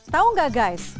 tahu gak guys